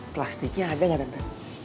plastiknya ada gak tante